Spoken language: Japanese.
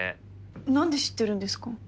何で知ってるんですか？